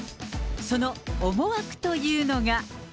その思惑というのが。